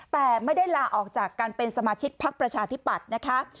แต่ไม่ได้ลาออกจากการเป็นสมาชิกพักประชาธิปัตย์นะคะ